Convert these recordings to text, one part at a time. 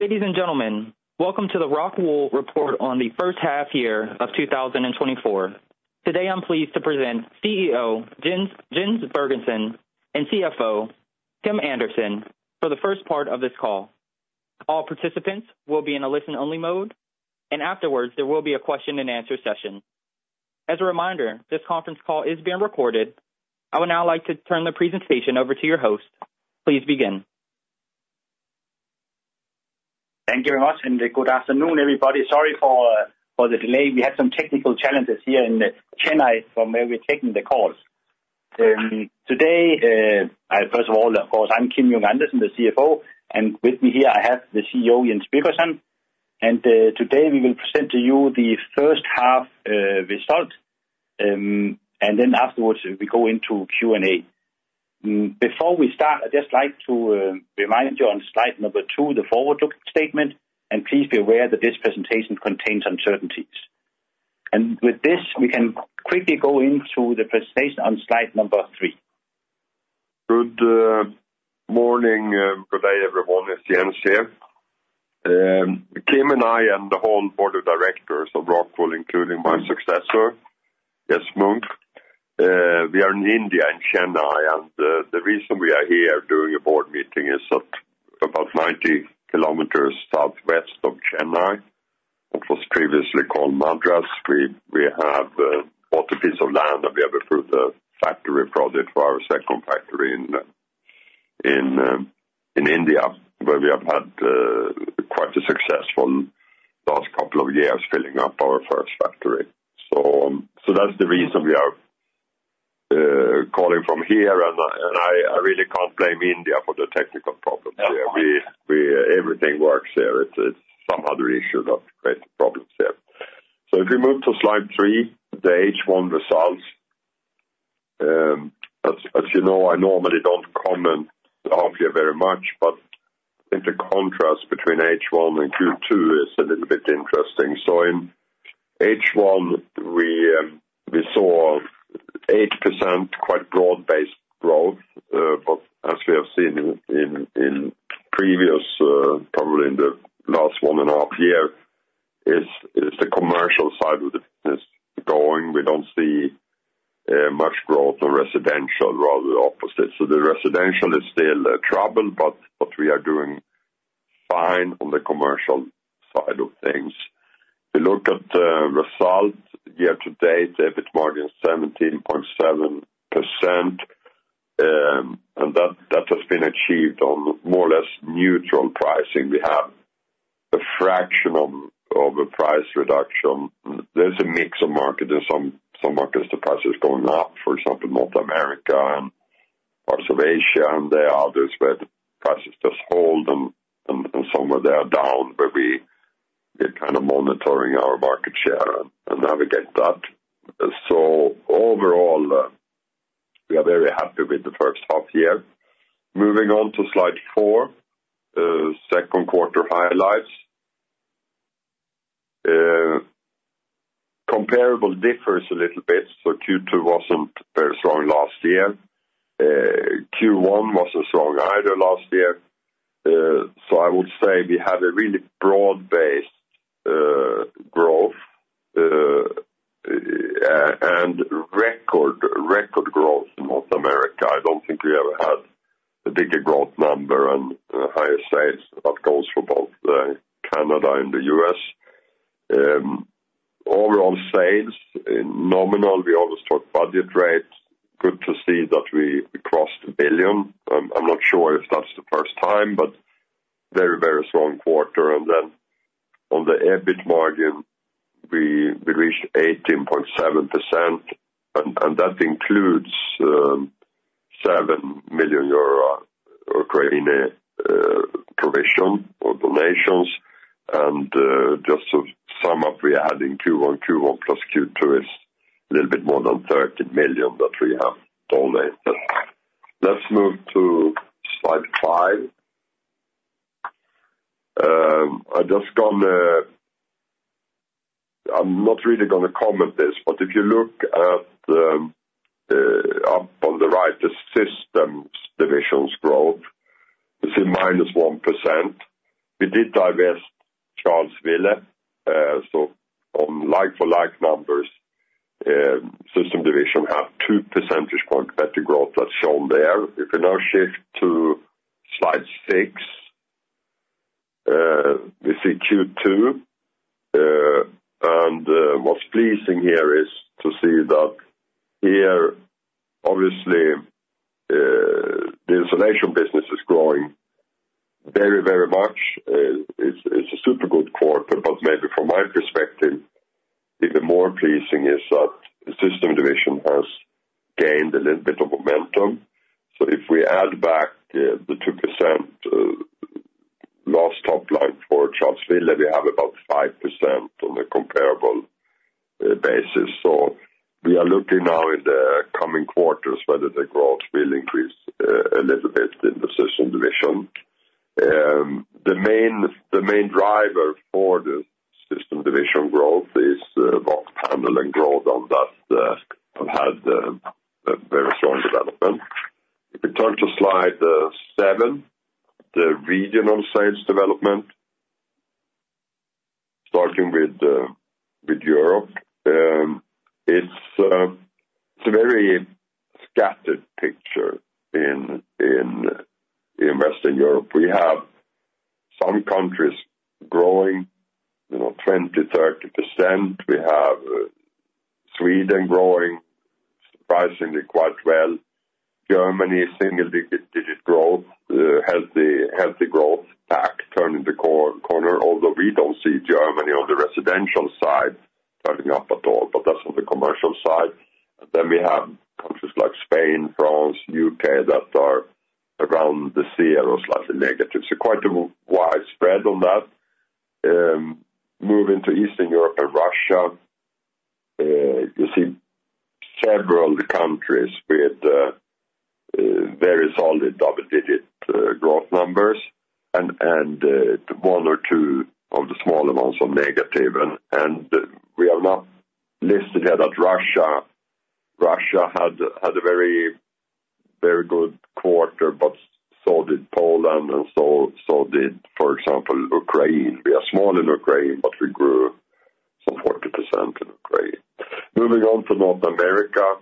Ladies and gentlemen, welcome to the ROCKWOOL report on the first half year of two thousand and twenty-four. Today, I'm pleased to present CEO Jens Birgersson and CFO Kim Andersen for the first part of this call. All participants will be in a listen-only mode, and afterwards, there will be a question and answer session. As a reminder, this conference call is being recorded. I would now like to turn the presentation over to your host. Please begin. Thank you very much, and good afternoon, everybody. Sorry for the delay. We had some technical challenges here in Chennai, from where we're taking the call. Today, I first of all, of course, I'm Kim Andersen, the CFO, and with me here, I have the CEO, Jens Birgersson, and today, we will present to you the first half result, and then afterwards, we go into Q&A. Before we start, I'd just like to remind you on slide number two, the forward-looking statement, and please be aware that this presentation contains uncertainties. And with this, we can quickly go into the presentation on slide number three. Good morning, good day, everyone. It's Jens here. Kim and I, and the whole board of directors of ROCKWOOL, including my successor, Jes Munk. We are in India, in Chennai, and the reason we are here doing a board meeting is at about 90 kilometers southwest of Chennai, what was previously called Madras. We have bought a piece of land, and we have approved the factory project for our second factory in India, where we have had quite a successful last couple of years filling up our first factory. So that's the reason we are calling from here, and I really can't blame India for the technical problems here. No. Everything works here. It's some other issue that created problems there. So if we move to slide three, the H1 results, as you know, I normally don't comment on here very much, but I think the contrast between H1 and Q2 is a little bit interesting. So in H1, we saw 8% quite broad-based growth, but as we have seen in previous, probably in the last one and a half year, is the commercial side of the business growing. We don't see much growth on residential, rather the opposite. So the residential is still troubled, but we are doing fine on the commercial side of things. If you look at the results year to date, EBIT margin 17.7%, and that has been achieved on more or less neutral pricing. We have a fraction of a price reduction. There's a mix of market. There's some markets, the price is going up, for example, North America and parts of Asia, and there are others where the prices just hold, and somewhere they are down, but we are kind of monitoring our market share and navigate that. So overall, we are very happy with the first half year. Moving on to slide four, second quarter highlights. Comparable differs a little bit, so Q2 wasn't very strong last year. Q1 wasn't strong either last year, so I would say we have a really broad-based growth, and record growth in North America. I don't think we ever had a bigger growth number and higher sales. That goes for both the Canada and the U.S. Overall sales in nominal, we always talk budget rate. Good to see that we crossed a billion. I'm not sure if that's the first time, but very, very strong quarter. And then on the EBIT margin, we reached 18.7%, and that includes 7 million euro Ukraine provision or donations. And just to sum up, we had in Q1. Q1 plus Q2 is a little bit more than 30 million that we have donated. Let's move to slide five. I'm not really gonna comment this, but if you look at the up on the right, the Systems divisions growth, it's in -1%. We did divest Charles Wille, so on like-for-like numbers, System division had two percentage point better growth that's shown there. If you now shift to slide six, we see Q2, and what's pleasing here is to see that here, obviously, the insulation business is growing very, very much. It's, it's a super good quarter, but maybe from my perspective, even more pleasing is that the System division has gained a little bit of momentum. So if we add back the 2% last top line for Charles Wille, we have about 5% on a comparable basis. So we are looking now in the coming quarters whether the growth will increase a little bit in the System division. The main driver for growth on that have had a very strong development. If you turn to slide seven, the regional sales development. Starting with Europe, it's a very scattered picture in Western Europe. We have some countries growing, you know, 20%-30%. We have Sweden growing surprisingly quite well. Germany, single-digit growth, healthy growth path turning the corner, although we don't see Germany on the residential side turning up at all, but that's on the commercial side. Then we have countries like Spain, France, U.K., that are around the zero, slightly negative. So quite a widespread on that. Moving to Eastern Europe and Russia, you see several of the countries with very solid double-digit growth numbers, and one or two of the small amounts of negative. We have not listed here that Russia had a very good quarter, but so did Poland, and so did, for example, Ukraine. We are small in Ukraine, but we grew some 40% in Ukraine. Moving on to North America,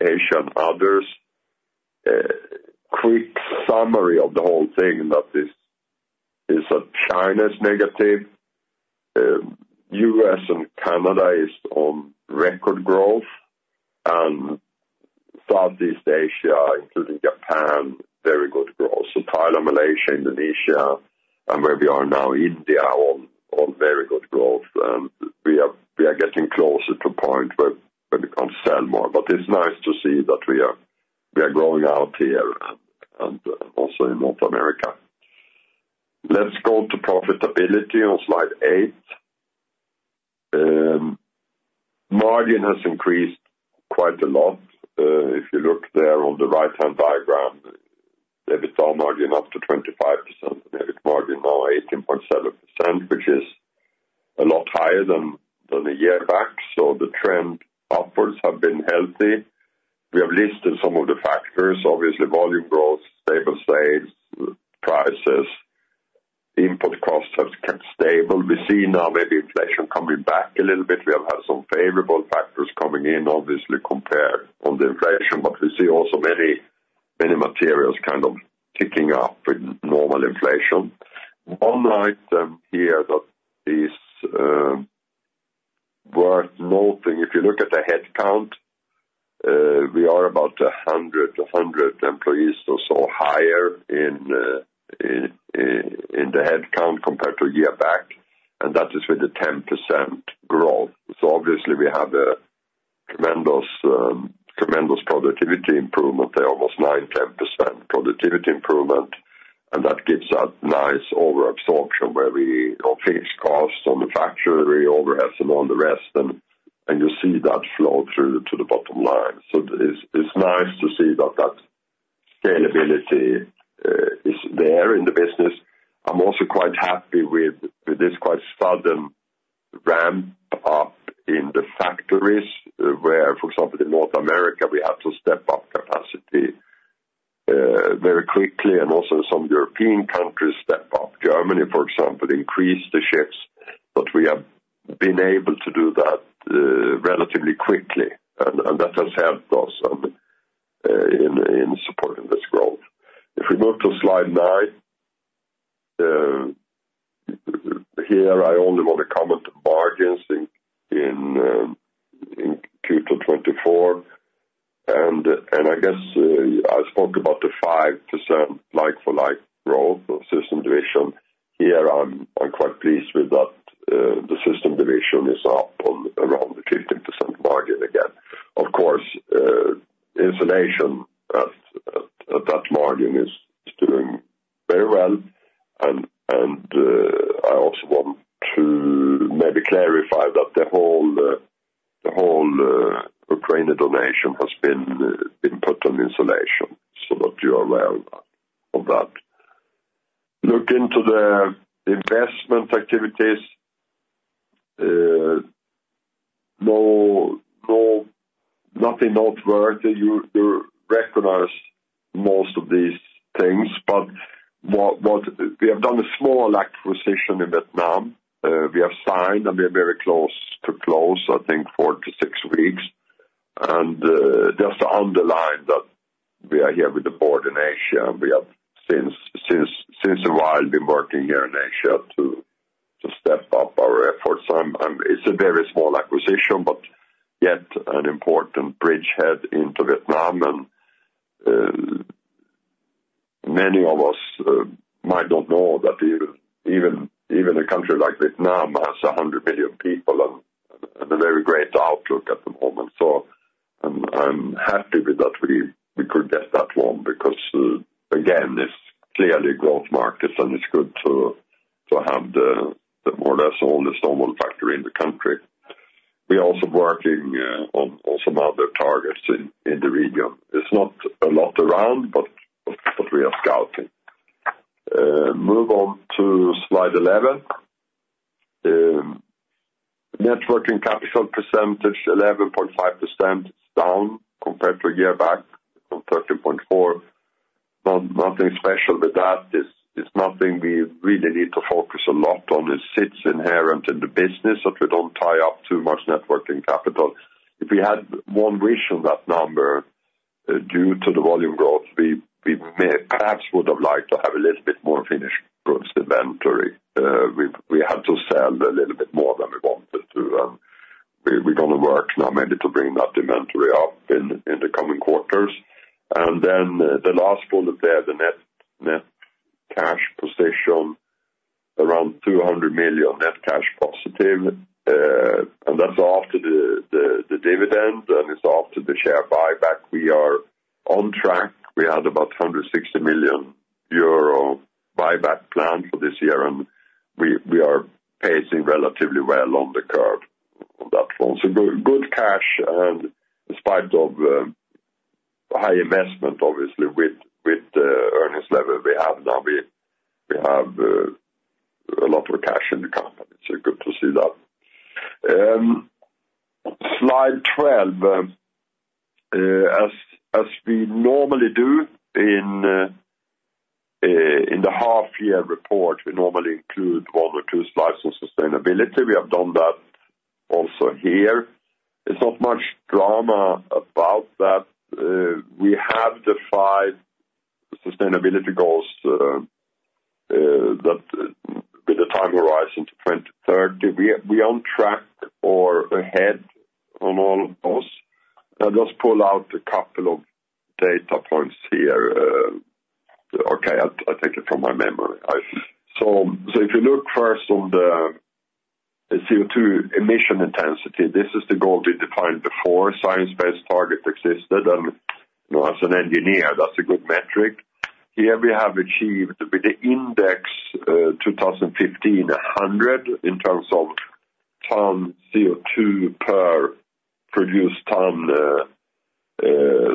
Asia and others, quick summary of the whole thing is that China's negative, U.S. and Canada is on record growth, and Southeast Asia, including Japan, very good growth. Thailand, Malaysia, Indonesia, and where we are now, India, on very good growth. We are getting closer to a point where we can't sell more, but it's nice to see that we are growing out here and also in North America. Let's go to profitability on slide eight. Margin has increased quite a lot. If you look there on the right-hand diagram, EBITDA margin up to 25%. EBIT margin now 18.7%, which is a lot higher than a year back, so the trend upwards have been healthy. We have listed some of the factors, obviously, volume growth, stable sales, prices, input costs have kept stable. We see now maybe inflation coming back a little bit. We have had some favorable factors coming in, obviously, compared on the inflation, but we see also many materials kind of ticking up with normal inflation. One item here that is worth noting, if you look at the headcount, we are about a hundred employees or so higher in the headcount compared to a year back, and that is with the 10% growth. So obviously, we have a tremendous, tremendous productivity improvement, almost 9-10% productivity improvement, and that gives us nice overabsorption of fixed costs on the factory, overabsorption on the rest, and you see that flow through to the bottom line. It's nice to see that scalability is there in the business. I'm also quite happy with this quite sudden ramp up in the factories, where, for example, in North America, we had to step up capacity very quickly, and also some European countries step up. Germany, for example, increased the shifts, but we have been able to do that relatively quickly, and that has helped us in supporting this growth. If we move to slide nine, here, I only want to comment on margins in Q2 2024. I guess I spoke about the 5% like-for-like growth of Systems division. Here, I'm quite pleased with that. The Systems division is up on around the 15% margin again. Of course, insulation at that margin is doing very well. I also want to maybe clarify that the whole Ukraine donation has been put on insulation, so that you are aware of that. Looking to the investment activities, nothing noteworthy. You recognize most of these things, but we have done a small acquisition in Vietnam. We have signed, and we are very close to close, I think four to six weeks. Just to underline that we are here with the board in Asia, and we have since a while been working here in Asia to step up our efforts. It's a very small acquisition, but yet an important bridgehead into Vietnam. Many of us might not know that even a country like Vietnam has a hundred million people and a very great outlook at the moment. So I'm happy with that we could get that one, because again, it's clearly growth markets, and it's good to have the more or less only solar factory in the country. We're also working on some other targets in the region. It's not a lot around, but we are scouting. Move on to slide 11. Net working capital percentage, 11.5% is down compared to a year back from 13.4%. Nothing special with that. It's nothing we really need to focus a lot on. It sits inherent in the business, that we don't tie up too much net working capital. If we had one wish on that number, due to the volume growth, we may perhaps would have liked to have a little bit more finished goods inventory. We had to sell a little bit more than we wanted to, and we're gonna work now maybe to bring that inventory up in the coming quarters. Then the last bullet there, the net cash position, around 200 million net cash positive. And that's after the dividend, and it's after the share buyback. We are on track. We had about 160 million euro buyback plan for this year, and we are pacing relatively well on the curve on that one. So good cash and, in spite of high investment, obviously, with the earnings level we have now, we have a lot of cash in the company, so good to see that. Slide 12. As we normally do in the half-year report, we normally include one or two slides on sustainability. We have done that also here. It's not much drama about that. We have the five sustainability goals that with the time horizon to 2030, we on track or ahead on all of those. I'll just pull out a couple of data points here. Okay, I'll take it from my memory. So if you look first on the CO2 emission intensity, this is the goal we defined before Science Based Targets existed, and, you know, as an engineer, that's a good metric. Here we have achieved with the index 2015, 100, in terms of ton CO2 per produced ton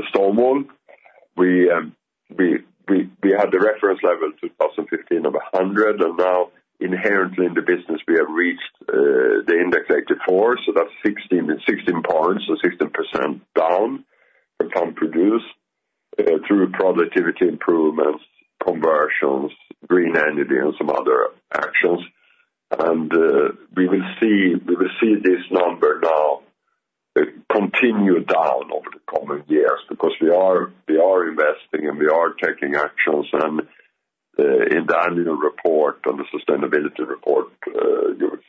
stone wool. We had the reference level 2015 of 100, and now inherently in the business, we have reached the index 84. So that's 16 points, so 16% down from produced through productivity improvements, conversions, green energy, and some other actions. And we will see this number now continue down over the coming years, because we are investing and we are taking actions. In the annual report on the sustainability report, you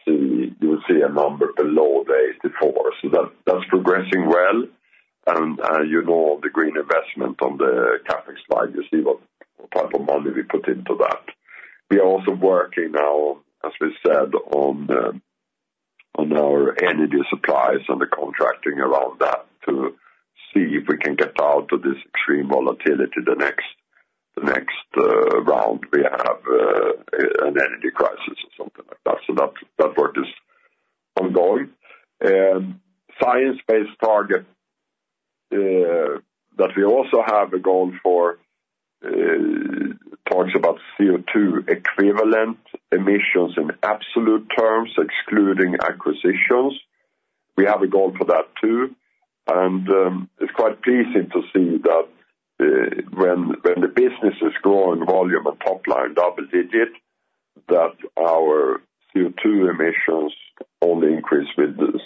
will see a number below the 84. So that's progressing well. You know, the green investment on the CapEx slide, you see what type of money we put into that. We are also working now, as we said, on our energy supplies and the contracting around that to see if we can get out of this extreme volatility the next round we have, an energy crisis or something like that. So that work is ongoing. Science Based Targets that we also have a goal for talks about CO2 equivalent emissions in absolute terms, excluding acquisitions. We have a goal for that, too. It's quite pleasing to see that when the business is growing volume and top line double digit, that our CO2 emissions only increase with 6%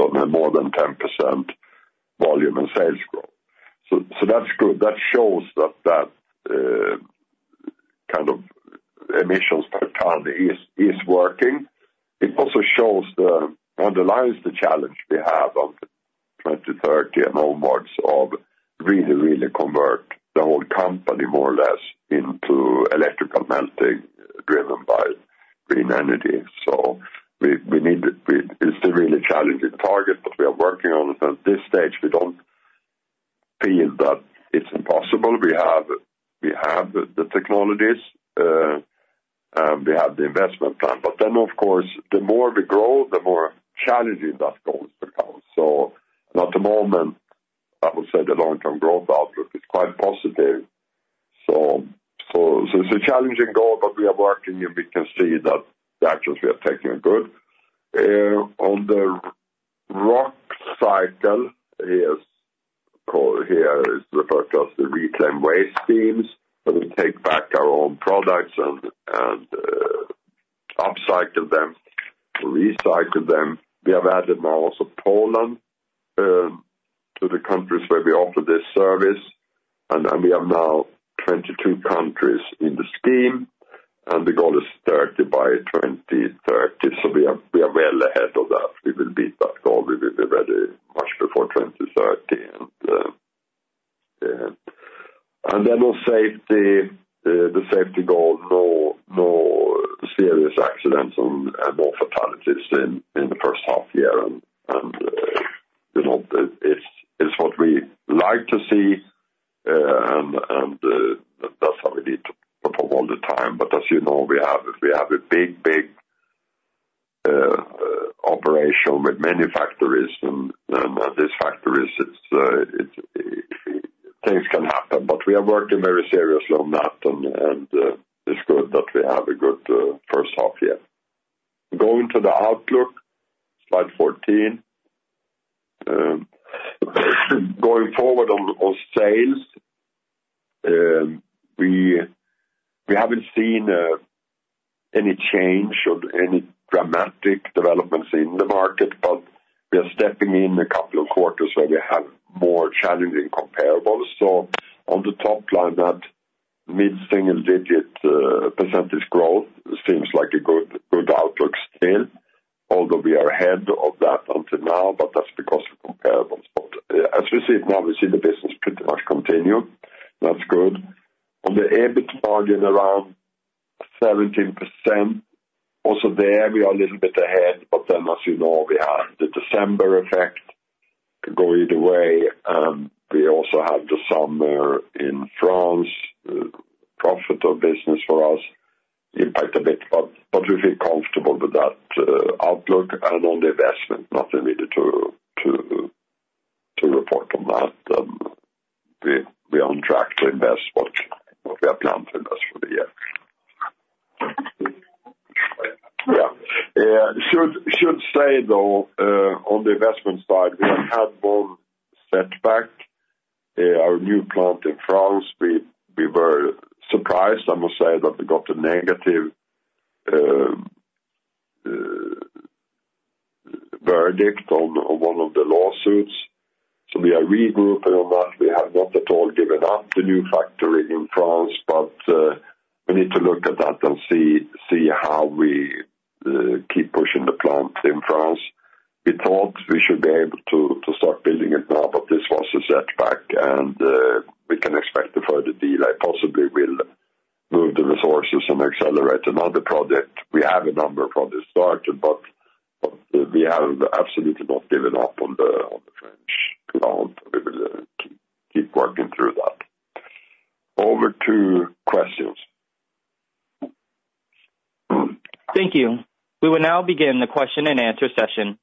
on more than 10% volume and sales growth. So that's good. That shows that kind of emissions per ton is working. It also underlines the challenge we have of 2030 and onwards of really convert the whole company more or less into electrical melting, driven by green energy. So we need to. It's a really challenging target, but we are working on it. At this stage, we don't feel that it's impossible. We have the technologies, and we have the investment plan. But then, of course, the more we grow, the more challenging that goal becomes. So... At the moment, I would say the long-term growth outlook is quite positive. So it's a challenging goal, but we are working, and we can see that the actions we are taking are good. On the Rockcycle, is called here, is referred to as the reclaim waste streams, where we take back our own products and upcycle them, recycle them. We have added now also Poland to the countries where we offer this service, and then we have now 22 countries in the scheme, and the goal is 30 by 2030. So we are well ahead of that. We will beat that goal. We will be ready much before 2030. Yeah. Then on safety, the safety goal, no serious accidents and no fatalities in the first half year. You know, it's what we like to see, and that's how we need to perform all the time. But as you know, we have a big operation with many factories, and these factories, things can happen, but we are working very seriously on that, and it's good that we have a good first half year. Going to the outlook, slide 14. Going forward on sales, we haven't seen any change or any dramatic developments in the market, but we are stepping in a couple of quarters where we have more challenging comparables. So on the top line, that mid-single-digit percentage growth seems like a good outlook still, although we are ahead of that until now, but that's because of comparables. But as we see it now, we see the business pretty much continue. That's good. On the EBIT margin, around 17%. Also, there we are a little bit ahead, but then, as you know, we have the December effect going the way, and we also have the summer in France profitable business for us, impact a bit, but we feel comfortable with that outlook and on the investment, nothing really to report on that. We're on track to invest what we have planned to invest for the year. Yeah, should say, though, on the investment side, we have had one setback. Our new plant in France, we were surprised, I must say that we got a negative verdict on one of the lawsuits, so we are regrouping on that. We have not at all given up the new factory in France, but we need to look at that and see how we keep pushing the plant in France. We thought we should be able to start building it now, but this was a setback, and we can expect a further delay. Possibly we'll move the resources and accelerate another project. We have a number of projects started, but we have absolutely not given up on the French plant. We will keep working through that. Over to questions. Thank you. We will now begin the question-and-answer session.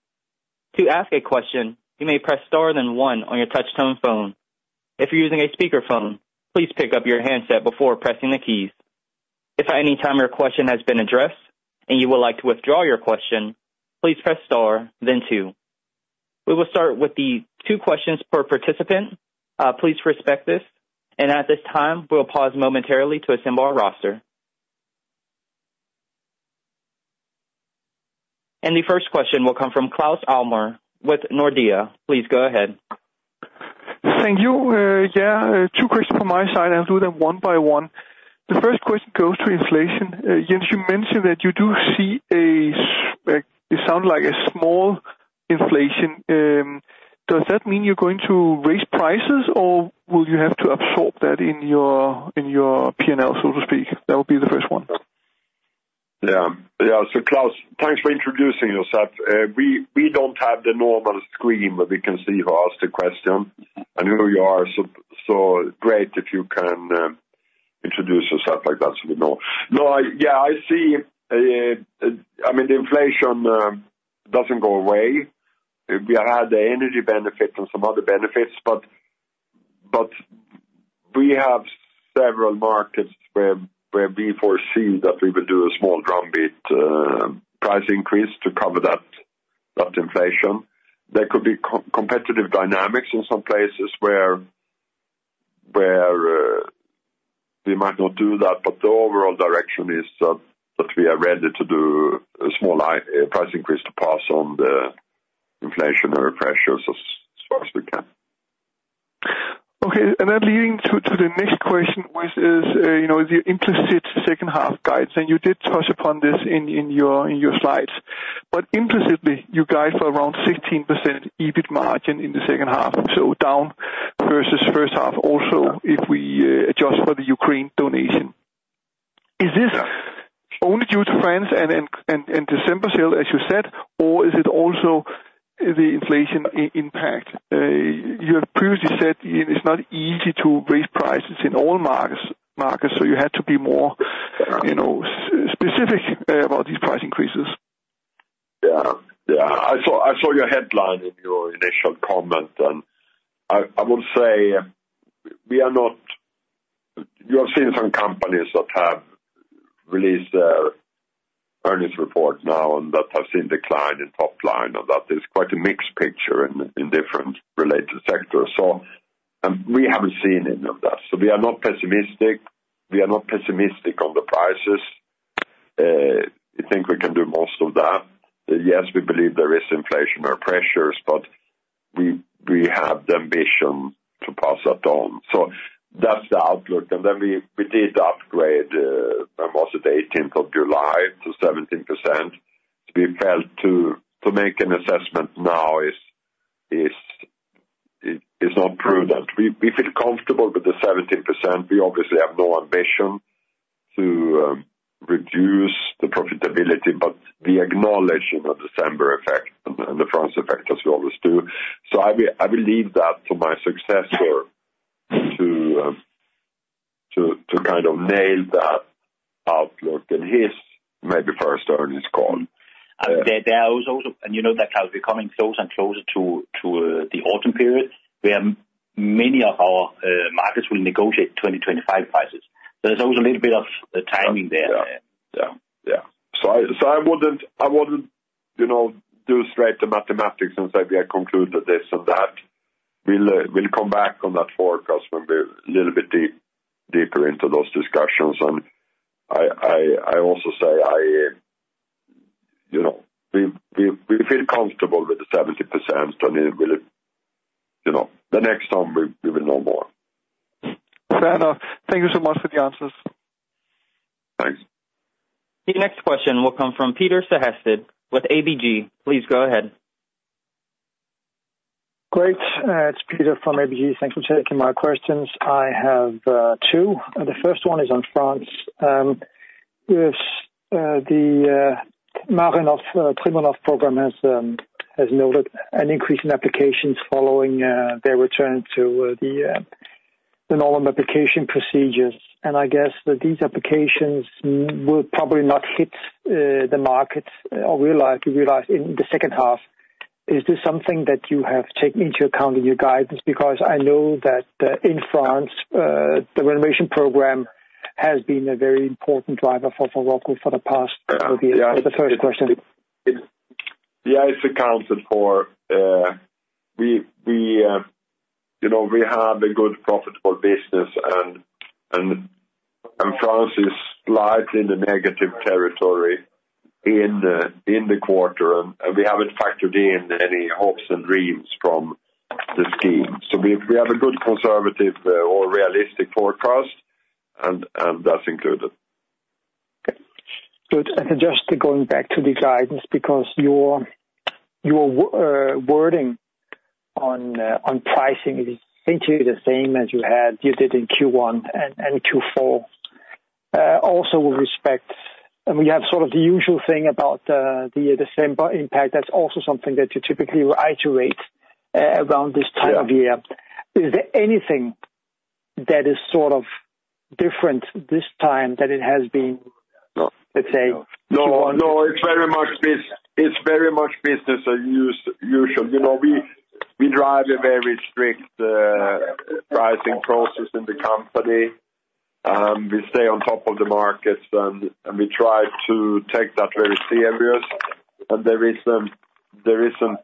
To ask a question, you may press star then one on your touchtone phone. If you're using a speakerphone, please pick up your handset before pressing the keys. If at any time your question has been addressed and you would like to withdraw your question, please press star then two. We will start with the two questions per participant. Please respect this, and at this time, we'll pause momentarily to assemble our roster, and the first question will come from Claus Almer with Nordea. Please go ahead. Thank you. Yeah, two questions from my side, I'll do them one by one. The first question goes to inflation. Jens, you mentioned that you do see a, it sound like a small inflation. Does that mean you're going to raise prices, or will you have to absorb that in your, in your PNL, so to speak? That would be the first one. Yeah. Yeah. So, Claus, thanks for introducing yourself. We don't have the normal screen, where we can see who asked the question. I know who you are, so great if you can introduce yourself like that, so we know. No. Yeah, I see. I mean, the inflation doesn't go away. We had the energy benefits and some other benefits, but we have several markets where we foresee that we will do a small drum beat price increase to cover that inflation. There could be competitive dynamics in some places where we might not do that, but the overall direction is that we are ready to do a small price increase to pass on the inflationary pressures as far as we can. Okay, and then leading to the next question, which is, you know, the implicit second half guides, and you did touch upon this in your slides. But implicitly, you guide for around 16% EBIT margin in the second half, so down versus first half. Also, if we adjust for the Ukraine donation. Is this only due to France and December sale, as you said, or is it also the inflation impact? You have previously said it's not easy to raise prices in all markets, so you had to be more, you know, specific about these price increases. Yeah. Yeah, I saw your headline in your initial comment, and I would say we are not. You have seen some companies that have released their earnings report now and that have seen decline in top line, and that is quite a mixed picture in different related sectors. So, and we haven't seen any of that. So we are not pessimistic. We are not pessimistic on the prices. I think we can do most of that. Yes, we believe there is inflationary pressures, but we have the ambition to pass that on. So that's the outlook. And then we did upgrade, what was it? The eighteenth of July to 17%. We felt to make an assessment now is not prudent. We feel comfortable with the 17%. We obviously have no ambition to reduce the profitability, but we acknowledge, you know, the December effect and the France effect, as we always do. So I will leave that to my successor... kind of nailed that outlook in his maybe first earnings call. There are also, you know that how we're coming closer and closer to the autumn period, where many of our markets will negotiate 2025 prices. There's always a little bit of timing there. Yeah. Yeah. So I wouldn't, you know, do straight the mathematics and say, we have concluded this and that. We'll come back on that forecast when we're a little bit deeper into those discussions. And I also say, you know, we feel comfortable with the 70%, and it will, you know, the next time we will know more. Fair enough. Thank you so much for the answers. Thanks. The next question will come from Peter Sehested with ABG. Please go ahead. Great, it's Peter from ABG. Thanks for taking my questions. I have two, and the first one is on France. With the MaPrimeRénov' program has noted an increase in applications following their return to the normal application procedures. And I guess that these applications will probably not hit the markets or realize in the second half. Is this something that you have taken into account in your guidance? Because I know that in France the renovation program has been a very important driver for ROCKWOOL for the past year. That's the first question. Yeah, it's accounted for. We, you know, we have a good profitable business and France is slightly in the negative territory in the quarter, and we haven't factored in any hopes and dreams from the scheme. So we have a good conservative or realistic forecast, and that's included. Okay. Good. And then just going back to the guidance, because your wording on pricing is essentially the same as you had, you did in Q1 and Q4. Also with respect, and we have sort of the usual thing about the December impact, that's also something that you typically reiterate around this time of year. Yeah. Is there anything that is sort of different this time than it has been? No. Let's say- No, no, it's very much business as usual. You know, we drive a very strict pricing process in the company, and we stay on top of the markets, and we try to take that very seriously. And there isn't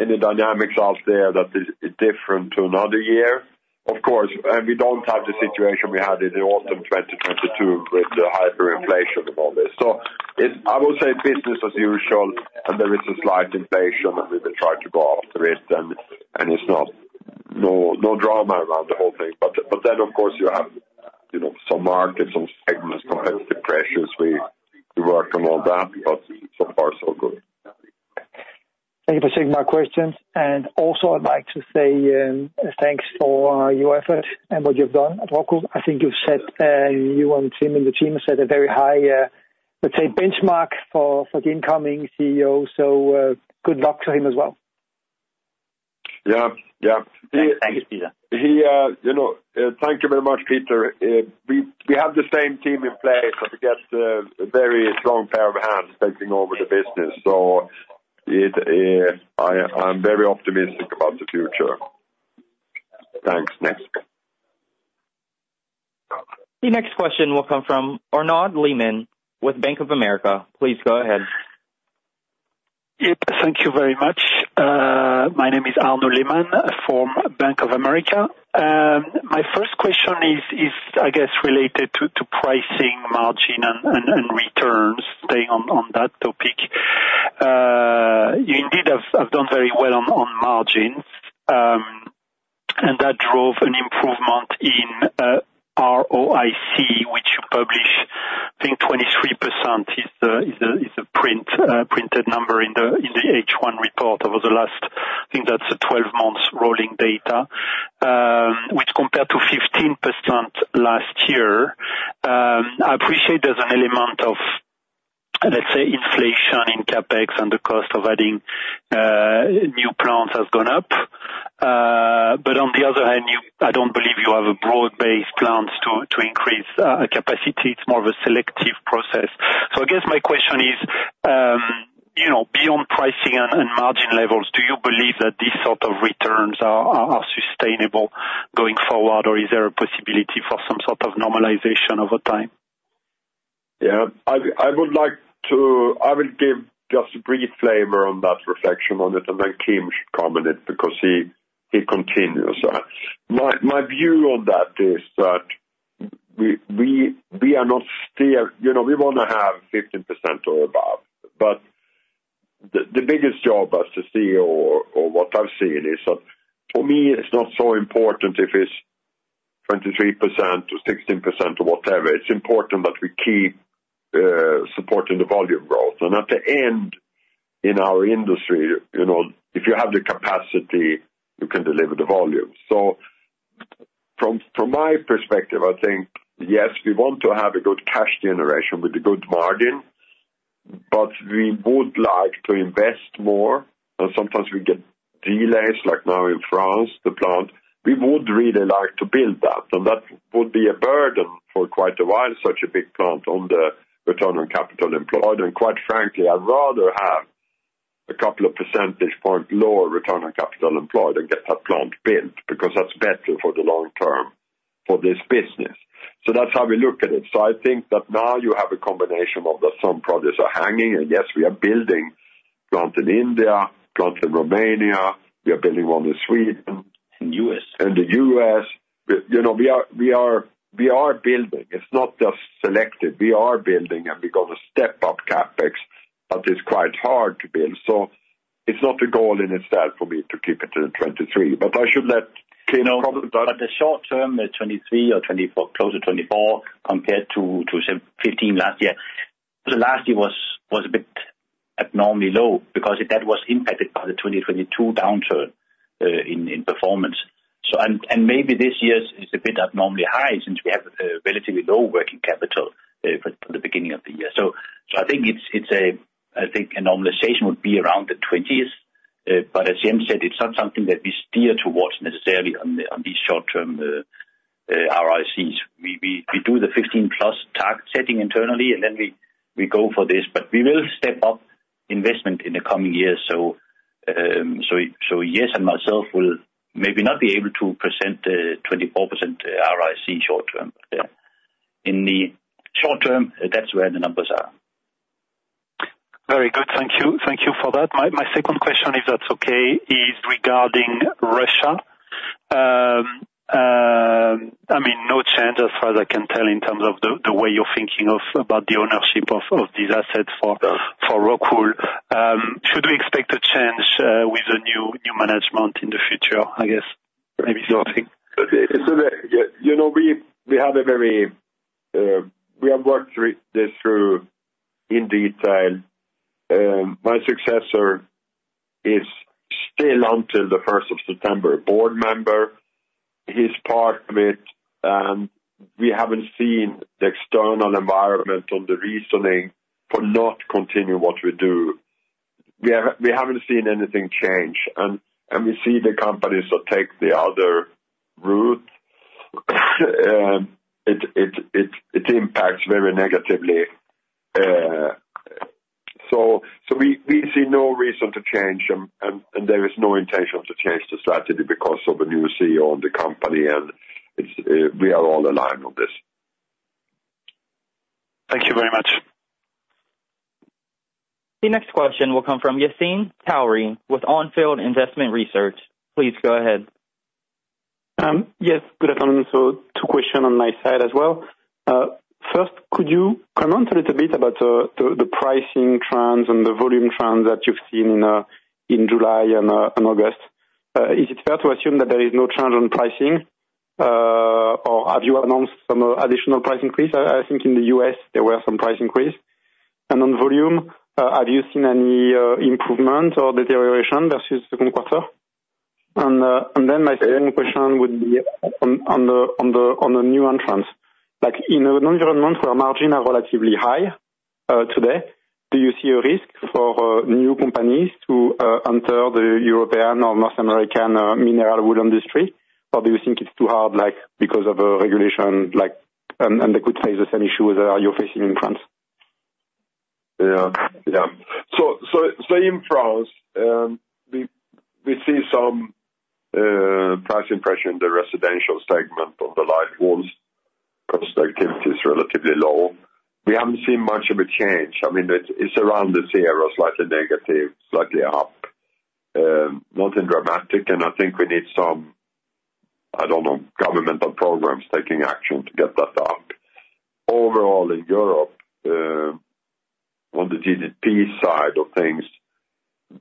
any dynamics out there that is different to another year. Of course, and we don't have the situation we had in the autumn twenty twenty-two with the hyperinflation and all this. So it's, I would say, business as usual, and there is a slight inflation, and we will try to go after it, and it's not, no, no drama around the whole thing. But then, of course, you have, you know, some markets, some segments, competitive pressures. We work on all that, but so far so good. Thank you for taking my questions. And also I'd like to say, thanks for your effort and what you've done at ROCKWOOL. I think you've set, you and Kim and the team set a very high, let's say, benchmark for the incoming CEO. So, good luck to him as well. Yeah. Yeah. Thank you, Peter. You know, thank you very much, Peter. We have the same team in place, so he gets a very strong pair of hands taking over the business. So I'm very optimistic about the future. Thanks. Next. The next question will come from Arnaud Lehmann with Bank of America. Please go ahead. Yep. Thank you very much. My name is Arnaud Lehmann from Bank of America. My first question is, I guess, related to pricing, margin, and returns, staying on that topic. You indeed have done very well on margins, and that drove an improvement in ROIC, which you publish, I think 23% is the printed number in the H1 report over the last, I think that's a 12 months rolling data, which compared to 15% last year. I appreciate there's an element of, let's say, inflation in CapEx and the cost of adding new plants has gone up. But on the other hand, you I don't believe you have a broad-based plans to increase capacity. It's more of a selective process. So I guess my question is, you know, beyond pricing and margin levels, do you believe that these sort of returns are sustainable going forward, or is there a possibility for some sort of normalization over time? Yeah. I would like to. I will give just a brief flavor on that reflection on it, and then Kim should come in it, because he continues. My view on that is that we are not still, you know, we wanna have 15% or above, but the biggest job as the CEO or what I've seen is that for me, it's not so important if it's 23% or 16% or whatever. It's important that we keep supporting the volume growth. And at the end, in our industry, you know, if you have the capacity, you can deliver the volume. So from my perspective, I think, yes, we want to have a good cash generation with a good margin, but we would like to invest more, and sometimes we get delays, like now in France, the plant. We would really like to build that, and that would be a burden for quite a while, such a big plant on the return on capital employed, and quite frankly, I'd rather have a couple of percentage point lower return on capital employed and get that plant built, because that's better for the long term for this business. So that's how we look at it. So I think that now you have a combination of that some projects are hanging, and yes, we are building plant in India, plant in Romania, we are building one in Sweden. And U.S. And the U.S. You know, we are building. It's not just selected. We are building, and we're gonna step up CapEx, but it's quite hard to build. So it's not a goal in itself for me to keep it to the twenty-three, but I should let- But the short term, the 23 or 24, close to 24, compared to 15 last year. The last year was a bit abnormally low because that was impacted by the 2022 downturn in performance. And maybe this year's is a bit abnormally high since we have a relatively low working capital for the beginning of the year. So I think a normalization would be around the 20s. But as Jens said, it's not something that we steer towards necessarily on these short term ROICs. We do the 15+ target setting internally, and then we go for this. But we will step up investment in the coming years. So yes, and myself will maybe not be able to present the 24% ROIC short term. But yeah, in the short term, that's where the numbers are. Very good. Thank you. Thank you for that. My second question, if that's okay, is regarding Russia. I mean, no change, as far as I can tell, in terms of the way you're thinking about the ownership of these assets for ROCKWOOL. Should we expect a change with the new management in the future, I guess? Maybe nothing. So, you know, we have worked through this in detail. My successor is still, until the first of September, a board member. He's part of it, and we haven't seen the external environment on the reasoning for not continuing what we do. We haven't seen anything change, and we see the companies that take the other route, it impacts very negatively, so we see no reason to change, and there is no intention to change the strategy because of the new CEO of the company, and it's, we are all aligned on this. Thank you very much. The next question will come from Yassine Touahri with On Field Investment Research. Please go ahead. Yes, good afternoon, so two questions on my side as well. First, could you comment a little bit about the pricing trends and the volume trends that you've seen in July and August? Is it fair to assume that there is no change on pricing, or have you announced some additional price increase? I think in the U.S. there were some price increase. And on volume, have you seen any improvement or deterioration versus second quarter? And then my second question would be on the new entrants. Like, in an environment where margins are relatively high today, do you see a risk for new companies to enter the European or North American mineral wool industry? Or do you think it's too hard, like, because of a regulation, like, and they could face the same issue as you're facing in France? Yeah. So in France, we see some price pressure in the residential segment on the light walls. Construction activity is relatively low. We haven't seen much of a change. I mean, it's around this year, or slightly negative, slightly up. Nothing dramatic, and I think we need some, I don't know, governmental programs taking action to get that up. Overall, in Europe, on the GDP side of things,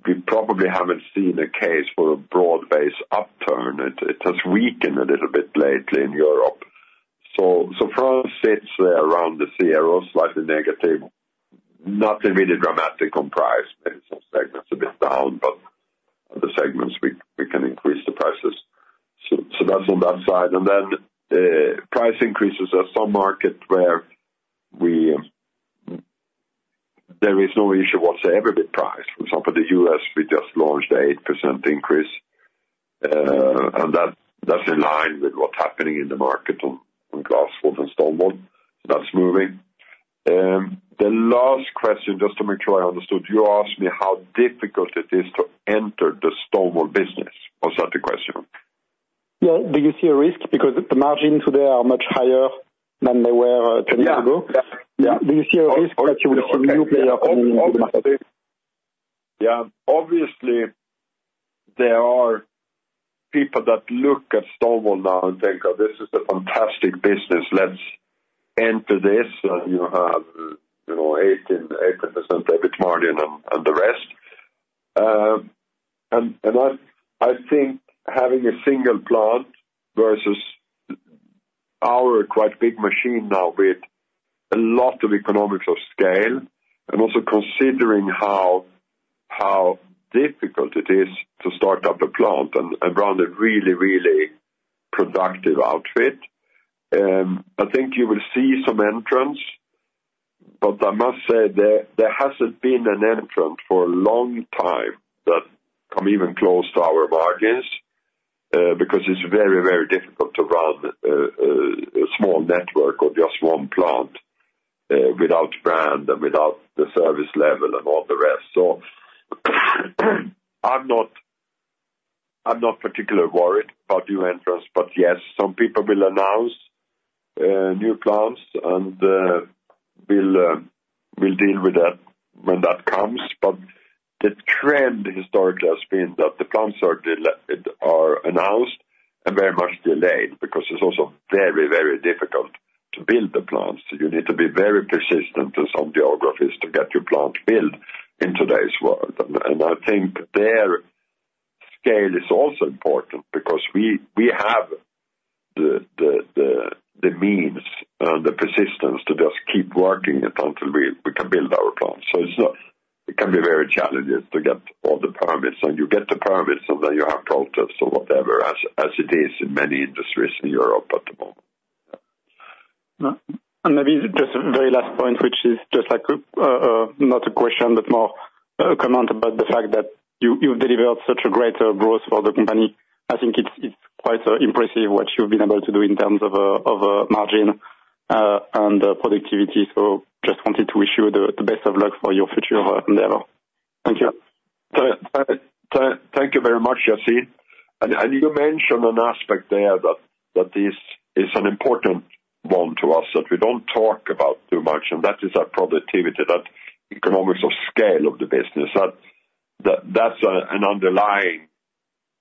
we probably haven't seen a case for a broad-based upturn. It has weakened a little bit lately in Europe. So France sits there around the zero, slightly negative, nothing really dramatic on price, maybe some segments a bit down, but other segments we can increase the prices. So that's on that side. And then, price increases in some markets where we... There is no issue whatsoever with the price. For example, the U.S., we just launched an 8% increase, and that, that's in line with what's happening in the market on glass wool and stone wool. That's moving. The last question, just to make sure I understood, you asked me how difficult it is to enter the stone wool business. Was that the question? Yeah. Do you see a risk? Because the margins today are much higher than they were, ten years ago. Yeah. Do you see a risk that you would see a new player coming in? Yeah. Obviously, there are people that look at stone wool now and think, oh, this is a fantastic business, let's enter this. And you have, you know, 18% EBIT margin and the rest. I think having a single plant versus our quite big machine now, with a lot of economies of scale, and also considering how difficult it is to start up a plant and run a really, really productive outfit. I think you will see some entrants, but I must say there hasn't been an entrant for a long time that come even close to our margins, because it's very, very difficult to run a small network or just one plant without brand and without the service level and all the rest. So, I'm not particularly worried about new entrants, but yes, some people will announce new plants, and we'll deal with that when that comes. But the trend historically has been that the plants are announced and very much delayed, because it's also very, very difficult to build the plants. You need to be very persistent in some geographies to get your plant built in today's world. And I think their scale is also important because we have the means and the persistence to just keep working it until we can build our plants. So it can be very challenging to get all the permits, and you get the permits, and then you have protests or whatever, as it is in many industries in Europe at the moment. And maybe just a very last point, which is just like, not a question, but more a comment about the fact that you, you've delivered such a great growth for the company. I think it's quite impressive what you've been able to do in terms of of margin and productivity. So just wanted to wish you the best of luck for your future endeavor. Thank you. Thank you very much, Yassine. And you mentioned an aspect there that is an important one to us, that we don't talk about too much, and that is our productivity, the economics of scale of the business. That's an underlying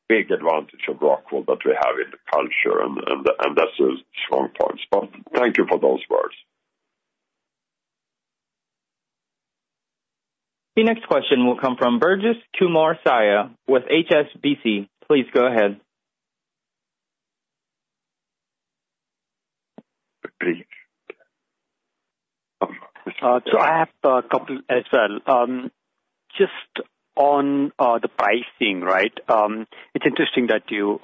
big advantage of ROCKWOOL that we have in the culture, and that's a strong point. So thank you for those words. The next question will come from Brijesh Siya with HSBC. Please go ahead. Great. So I have a couple as well. Just on the pricing, right? It's interesting that you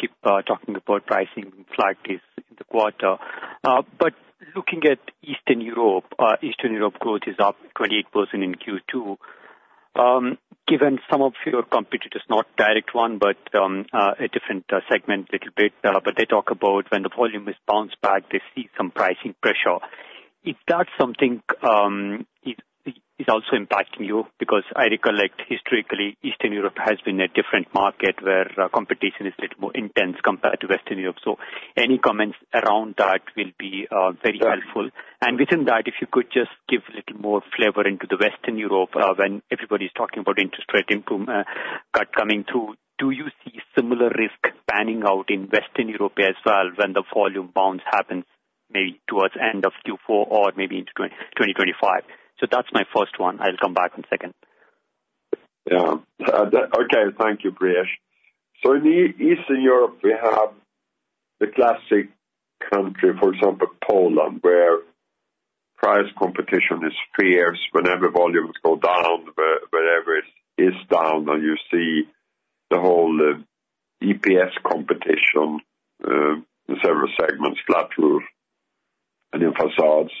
keep talking about pricing like this in the quarter. But looking at Eastern Europe, Eastern Europe growth is up 28% in Q2. Given some of your competitors, not direct one, but a different segment little bit, but they talk about when the volume is bounced back, they see some pricing pressure. Is that something, is also impacting you? Because I recollect historically, Eastern Europe has been a different market, where competition is a little more intense compared to Western Europe. So any comments around that will be very helpful. And within that, if you could just give a little more flavor into the Western Europe, when everybody's talking about interest rate cut coming through, do you see similar risk panning out in Western Europe as well when the volume bounce happens, maybe towards end of Q4 or maybe into 2025? So that's my first one. I'll come back on second. Yeah. Okay, thank you, Brijesh. So in Eastern Europe, we have the classic country, for example, Poland, where price competition is fierce. Whenever volumes go down, wherever it's down, and you see the whole EPS competition in several segments, flat roof and in facades.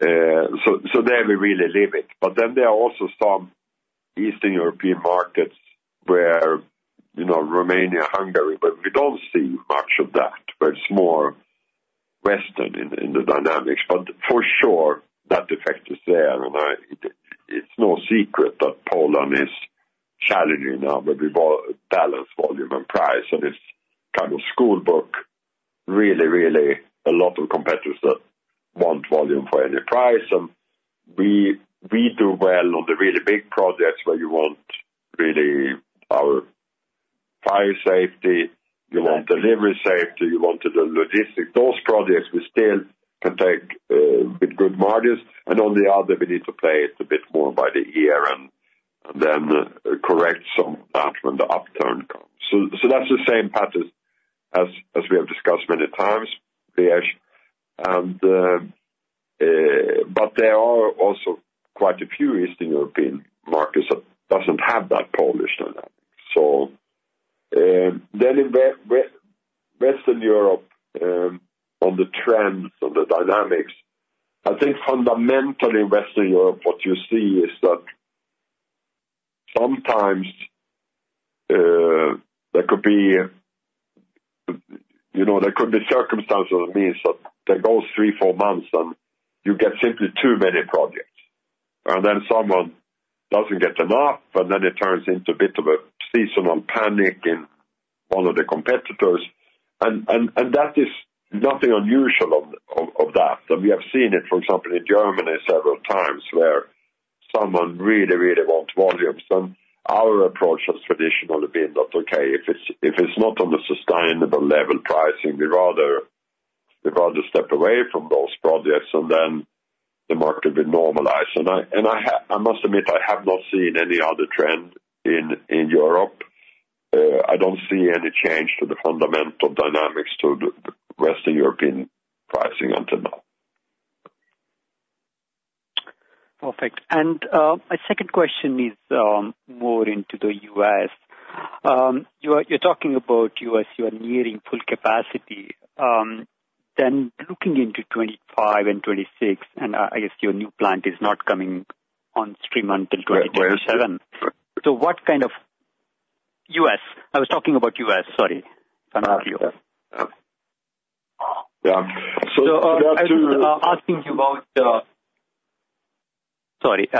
So there we really live it. But then there are also some Eastern European markets where, you know, Romania, Hungary, where we don't see much of that, where it's more Western in the dynamics. But for sure, that effect is there, and it's no secret that Poland is challenging now, but we balance volume and price, and it's kind of schoolbook, really a lot of competitors that want volume for any price. We do well on the really big projects where you want really our fire safety, you want delivery safety, you want the logistics. Those projects we still can take with good margins, and on the other, we need to play it a bit more by the ear and then correct some of that when the upturn comes. So that's the same pattern as we have discussed many times, Brijesh. But there are also quite a few Eastern European markets that doesn't have that Polish dynamic. So, then in Western Europe, on the trends, on the dynamics, I think fundamentally Western Europe. What you see is that sometimes, there could be, you know, there could be circumstantial means that there goes three, four months, and you get simply too many projects, and then someone doesn't get enough, and then it turns into a bit of a seasonal panic in all of the competitors, and that is nothing unusual of that. And we have seen it, for example, in Germany several times, where someone really, really wants volumes. And our approach has traditionally been that, okay, if it's not on a sustainable level pricing, we'd rather step away from those projects, and then the market will normalize. I must admit, I have not seen any other trend in Europe. I don't see any change to the fundamental dynamics to the Western European pricing until now.... Perfect. And my second question is more into the U.S. You're talking about U.S., you are nearing full capacity. Then looking into 2025 and 2026, and I guess your new plant is not coming on stream until 2027. So what kind of U.S.? I was talking about U.S., sorry. Yeah. So- So, I was asking you about... Sorry,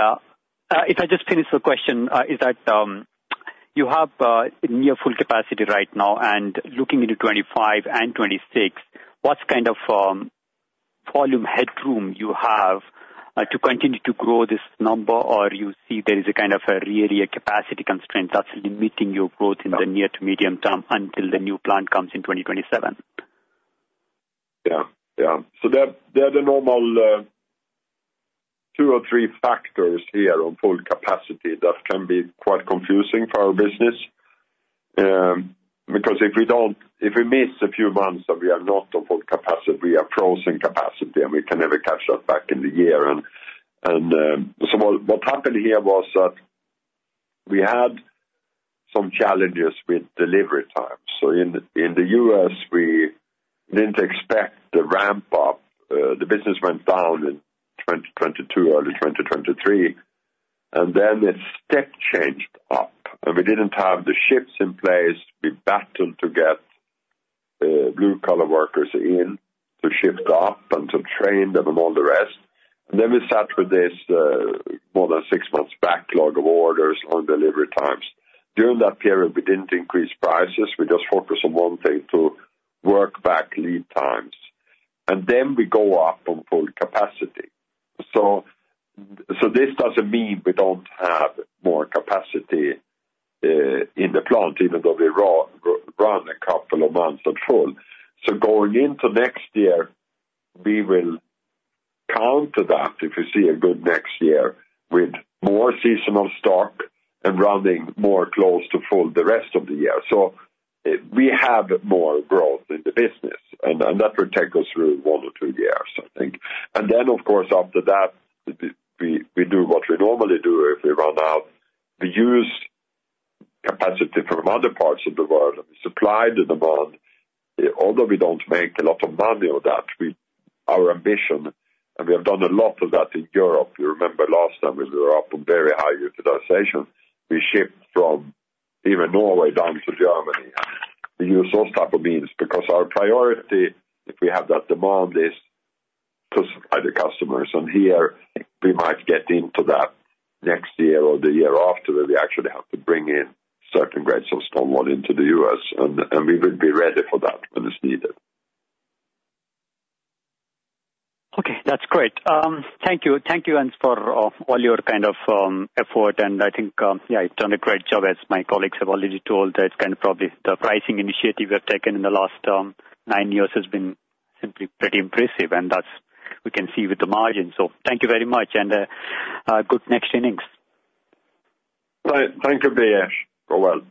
if I just finish the question, is that you have near full capacity right now, and looking into 2025 and 2026, what kind of volume headroom you have to continue to grow this number? Or you see there is a kind of a real capacity constraint that's limiting your growth in the near to medium term until the new plant comes in 2027. Yeah. Yeah. So there are the normal two or three factors here on full capacity that can be quite confusing for our business. Because if we miss a few months, and we are not on full capacity, we are frozen capacity, and we can never catch that back in the year. So what happened here was that we had some challenges with delivery time. In the U.S., we didn't expect the ramp up. The business went down in 2022, early 2023, and then it step-changed up, and we didn't have the ships in place. We battled to get blue-collar workers in to shift up and to train them and all the rest. Then we sat with this more than six months backlog of orders on delivery times. During that period, we didn't increase prices. We just focused on one thing, to work back lead times, and then we go up on full capacity. This doesn't mean we don't have more capacity in the plant, even though we run a couple of months at full. Going into next year, we will counter that if we see a good next year, with more seasonal stock and running more close to full the rest of the year. We have more growth in the business, and that will take us through one or two years, I think, and then, of course, after that, we do what we normally do if we run out. We use capacity from other parts of the world and supply the demand, although we don't make a lot of money on that, we... Our ambition, and we have done a lot of that in Europe. You remember last time we were up on very high utilization. We shipped from even Norway down to Germany. We use those type of means because our priority, if we have that demand, is to supply the customers, and here we might get into that next year or the year after, where we actually have to bring in certain grades of stone wool into the U.S., and we will be ready for that when it's needed. Okay, that's great. Thank you. Thank you, Jens, for all your kind of effort. And I think, yeah, you've done a great job, as my colleagues have already told, that kind of probably the pricing initiative you have taken in the last nine years has been simply pretty impressive, and that's what we can see with the margins. So thank you very much, and good next innings. Thank you, Brijesh. Go well.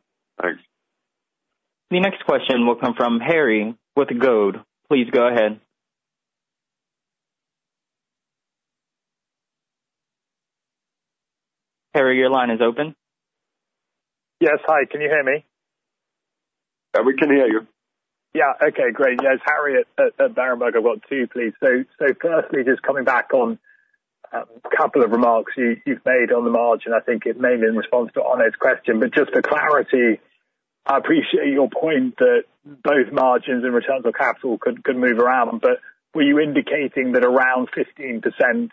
Thanks. The next question will come from Harry with Berenberg. Please go ahead. Harry, your line is open. Yes. Hi, can you hear me? Yeah, we can hear you. Yeah. Okay, great. Yeah, it's Harry at Berenberg. I've got two, please. So firstly, just coming back on a couple of remarks you've made on the margin. I think it may be in response to Arnaud's question, but just for clarity, I appreciate your point that both margins and returns on capital could move around, but were you indicating that around 15%,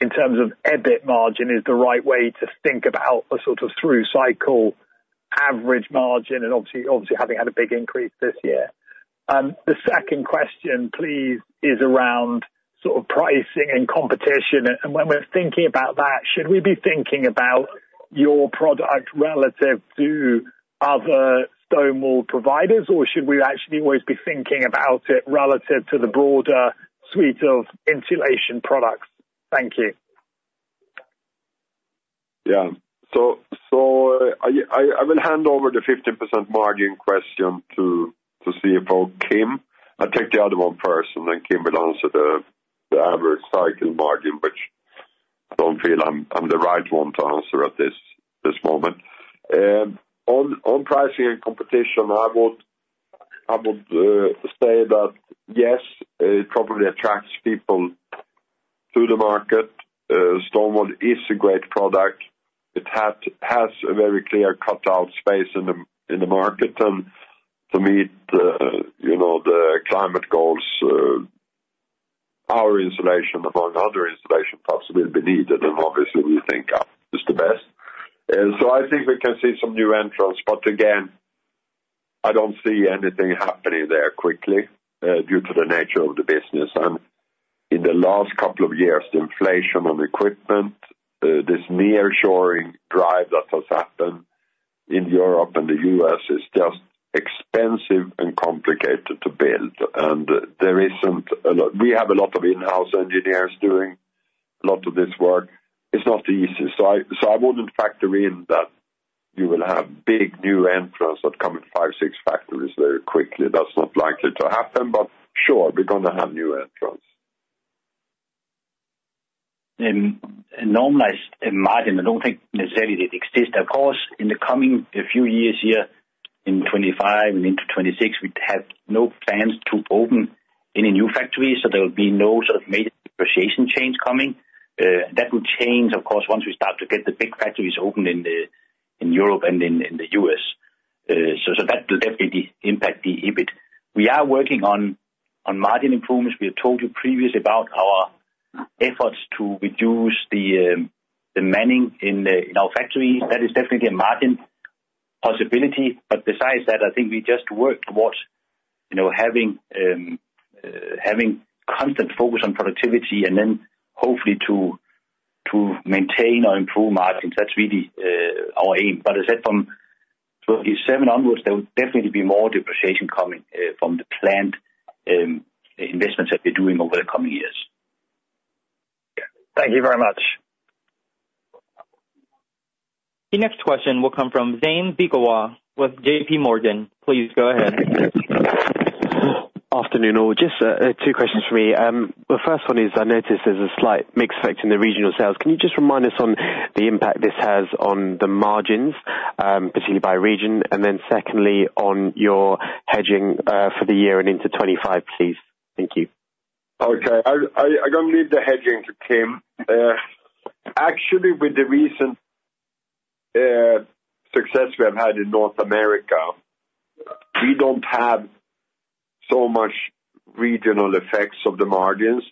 in terms of EBIT margin, is the right way to think about a sort of through cycle average margin, and obviously, having had a big increase this year? The second question, please, is around sort of pricing and competition. And when we're thinking about that, should we be thinking about your product relative to other stone wool providers, or should we actually always be thinking about it relative to the broader suite of insulation products? Thank you. Yeah. So, I will hand over the 15% margin question to CFO Kim. I'll take the other one first, and then Kim will answer the average cycle margin, which I don't feel I'm the right one to answer at this moment. On pricing and competition, I would say that yes, it probably attracts people to the market. Stone wool is a great product. It has a very clear cut out space in the market, and to meet you know, the climate goals, our insulation among other insulation products will be needed, and obviously we think ours is the best, and so I think we can see some new entrants, but again, I don't see anything happening there quickly due to the nature of the business. In the last couple of years, the inflation on equipment, this nearshoring drive that has happened in Europe and the U.S., is just expensive and complicated to build. There isn't a lot. We have a lot of in-house engineers doing a lot of this work. It's not easy, so I wouldn't factor in that you will have big new entrants that come in five, six factories very quickly. That's not likely to happen, but sure, we're going to have new entrants. In a normalized margin, I don't think necessarily it exists. Of course, in the coming a few years here, in 2025 and into 2026, we have no plans to open any new factories, so there will be no sort of major depreciation change coming. That will change, of course, once we start to get the big factories open in Europe and in the U.S. So that will definitely impact the EBIT. We are working on margin improvements. We have told you previously about our efforts to reduce the manning in our factories. That is definitely a margin possibility, but besides that, I think we just work towards, you know, having constant focus on productivity and then hopefully to maintain or improve margins. That's really our aim. But as I said, from 2027 onwards, there will definitely be more depreciation coming from the planned investments that we're doing over the coming years. Thank you very much. The next question will come from Zaim Beekawa with JPMorgan. Please go ahead. Afternoon, all. Just, two questions for me. The first one is, I noticed there's a slight mixed effect in the regional sales. Can you just remind us on the impact this has on the margins, particularly by region? And then secondly, on your hedging, for the year and into twenty-five, please. Thank you. Okay. I'm going to leave the hedging to Kim. Actually, with the recent success we have had in North America, we don't have so much regional effects of the margins.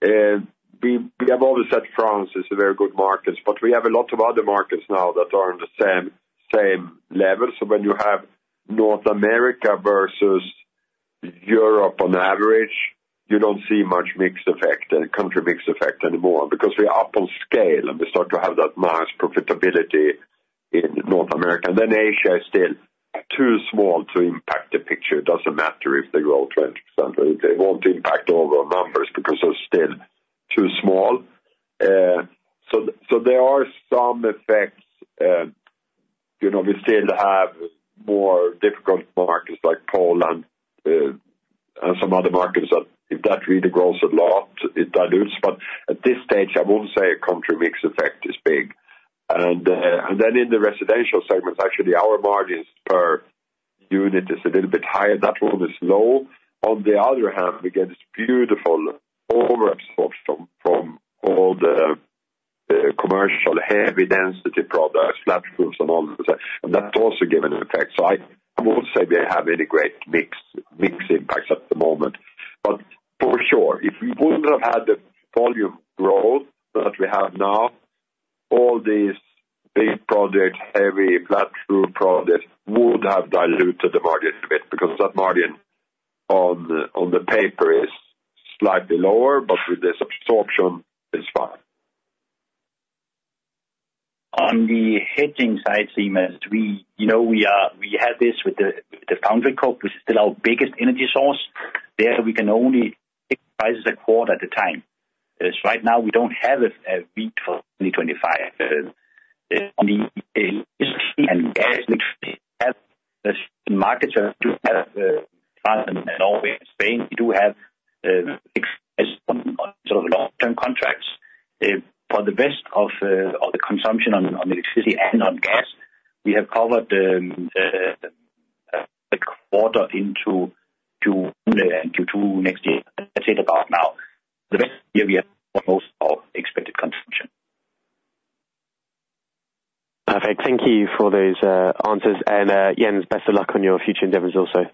We have always said France is a very good markets, but we have a lot of other markets now that are on the same level. When you have North America versus Europe, on average, you don't see much mix effect, country mix effect anymore, because we are up on scale, and we start to have that mass profitability in North America. And then Asia is still too small to impact the picture. It doesn't matter if they grow 20%, they won't impact our numbers because they're still too small, so there are some effects. You know, we still have more difficult markets like Poland and some other markets that if that really grows a lot, it dilutes. But at this stage, I won't say a country mix effect is big. And then in the residential segment, actually, our margins per unit is a little bit higher. That one is low. On the other hand, we get this beautiful over absorption from all the commercial, heavy density products, flat roofs and all of that, and that's also given an effect. I won't say we have any great mix impacts at the moment, but for sure, if we wouldn't have had the volume growth that we have now, all these big projects, every flat roof project, would have diluted the margin a bit, because that margin on the paper is slightly lower, but with this absorption, it's fine. On the hedging side, we, you know, we had this with the foundry coke, which is still our biggest energy source. There, we can only fix prices a quarter at a time. As of right now, we don't have a hedge for 2025. On electricity and gas, which we have the markets in Norway and Spain, we do have sort of long-term contracts for the bulk of the consumption on electricity and on gas, we have covered into Q2 next year. Let's say about 80%, the best we have for most of the expected consumption. Perfect. Thank you for those answers. And, Jens, best of luck on your future endeavors also.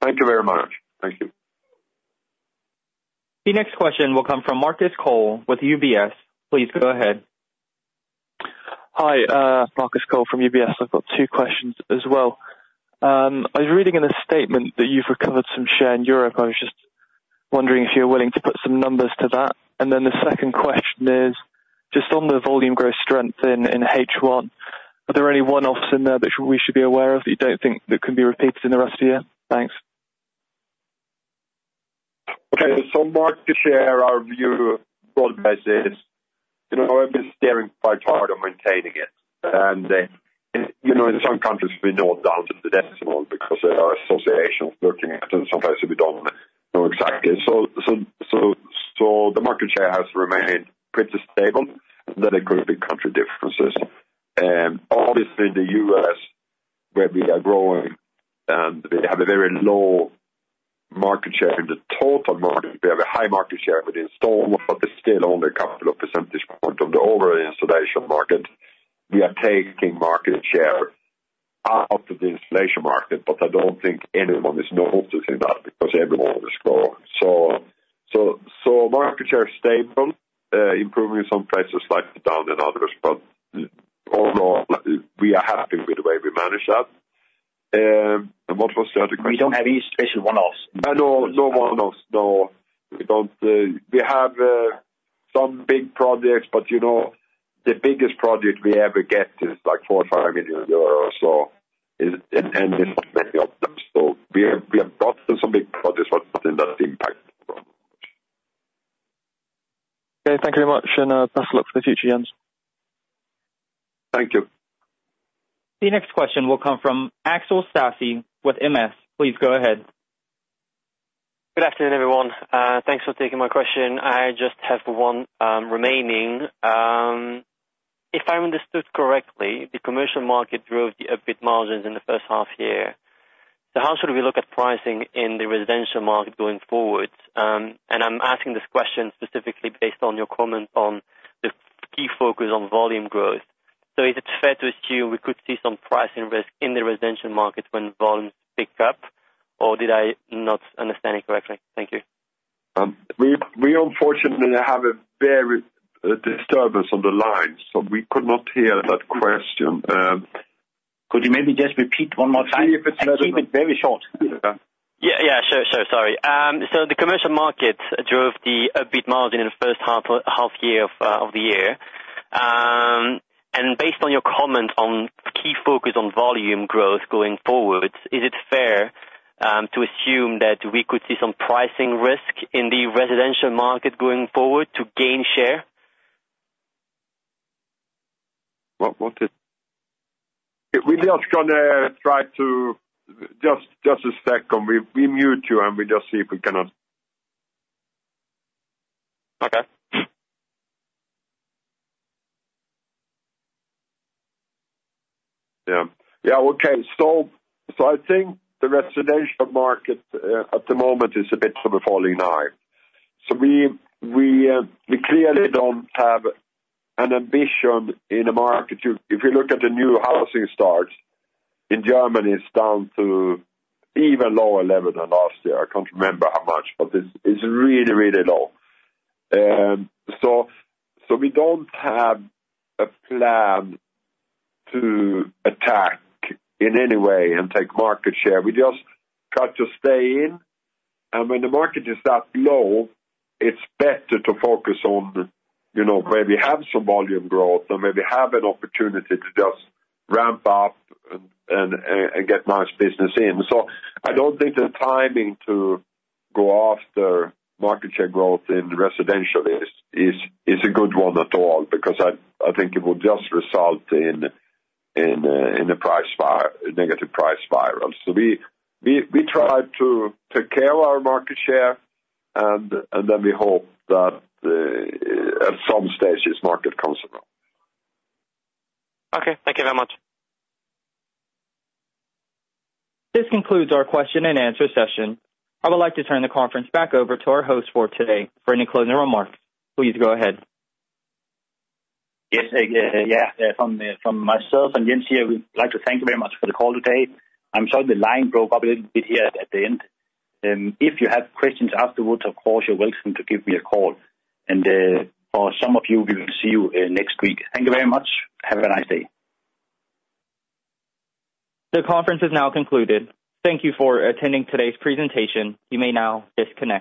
Thank you very much. Thank you. The next question will come from Marcus Cole with UBS. Please go ahead. Hi, Marcus Cole from UBS. I've got two questions as well. I was reading in a statement that you've recovered some share in Europe. I was just wondering if you're willing to put some numbers to that. And then the second question is, just on the volume growth strength in H1, are there any one-offs in there that we should be aware of, that you don't think that can be repeated in the rest of the year? Thanks. Okay, so Marcus, to share our view of broad-based is, you know, I've been staring quite hard on maintaining it, and you know, in some countries, we know down to the decimal because there are associations working, and sometimes we don't know exactly, so the market share has remained pretty stable, and then there could be country differences. Obviously the U.S., where we are growing and we have a very low market share in the total market, we have a high market share with installers, but still only a couple of percentage point of the overall insulation market. We are taking market share out of the insulation market, but I don't think anyone is noticing that because everyone is growing. So market share is stable, improving in some places, slightly down in others, but overall, we are happy with the way we manage that. And what was the other question? We don't have any special one-offs. No, no one-offs. No, we don't. We have some big projects, but you know, the biggest project we ever get is like 4 million or 5 million euros or so, and many of them. So we have brought some big projects, but not in that thing.... Okay, thank you very much, and best of luck for the future, Jens. Thank you. The next question will come from Axel Stasse with MS. Please go ahead. Good afternoon, everyone. Thanks for taking my question. I just have one remaining. If I understood correctly, the commercial market drove the EBIT margins in the first half year. So how should we look at pricing in the residential market going forward? And I'm asking this question specifically based on your comment on the key focus on volume growth. So is it fair to assume we could see some pricing risk in the residential market when volumes pick up, or did I not understand it correctly? Thank you. We unfortunately have a disturbance on the line, so we could not hear that question. Could you maybe just repeat one more time? Let's see if it's- Keep it very short. Yeah. Yeah. Sure, sure. Sorry. So the commercial market drove the EBIT margin in the first half year of the year. And based on your comment on key focus on volume growth going forward, is it fair to assume that we could see some pricing risk in the residential market going forward to gain share? What is... We're just gonna try to – just a second. We mute you, and we just see if we cannot. Okay. Yeah. Yeah. Okay. So I think the residential market at the moment is a bit of a falling knife. So we clearly don't have an ambition in the market to... If you look at the new housing starts in Germany, it's down to even lower level than last year. I can't remember how much, but it's really, really low. So we don't have a plan to attack in any way and take market share. We just try to stay in, and when the market is that low, it's better to focus on, you know, where we have some volume growth and maybe have an opportunity to just ramp up and get nice business in. So I don't think the timing to go after market share growth in the residential is a good one at all, because I think it will just result in a negative price spiral. So we try to take care of our market share, and then we hope that at some stage, this market comes around. Okay. Thank you very much. This concludes our question and answer session. I would like to turn the conference back over to our host for today for any closing remarks. Please go ahead. Yes. From myself and Jens here, we'd like to thank you very much for the call today. I'm sorry the line broke up a little bit here at the end. If you have questions afterwards, of course, you're welcome to give me a call, and for some of you, we will see you next week. Thank you very much. Have a nice day. The conference is now concluded. Thank you for attending today's presentation. You may now disconnect.